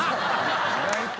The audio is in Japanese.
意外と。